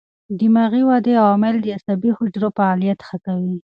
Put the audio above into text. دماغي ودې عوامل د عصبي حجرو فعالیت ښه کوي.